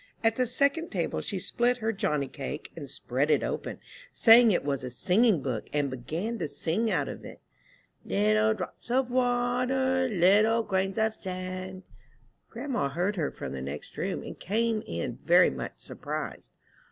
At the second table she split her johnny cake, and spread it open, saying it was a singing book, and began to sing out of it, "Little drops of water, Little grains of sand." Grandma heard her from the next room, and came in very much surprised.